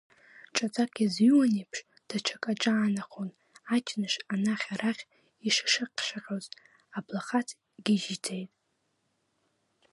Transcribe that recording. Ҿаҵак иазыҩуан еиԥш, даҽак аҿаанахон, аҷныш анахь-арахь ишышаҟьшаҟьоз аблахаҵ гьежьӡеит.